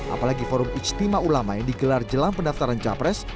apalagi forum ijtima ulama yang digelar jelang pendaftaran capres